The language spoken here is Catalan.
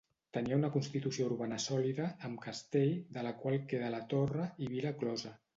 Tenia una constitució urbana sòlida, amb castell, del qual queda la torre, i vila closa.